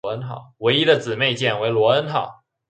其唯一的姊妹舰为罗恩号。